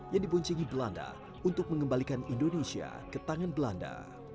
yang dibuncingi belanda untuk mengembalikan indonesia ke tangan belanda